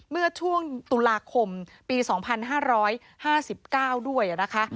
เมื่อช่วงตุลาคมปี๒๕๕๙ด้วยนะคะ